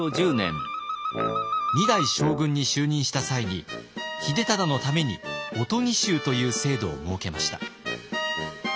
２代将軍に就任した際に秀忠のために御伽衆という制度を設けました。